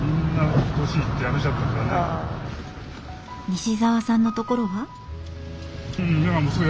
西澤さんのところは？